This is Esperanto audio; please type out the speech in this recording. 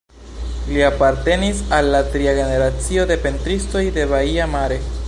Li apartenis al la tria generacio de pentristoj de Baia Mare.